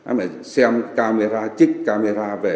nó phải xem camera trích camera về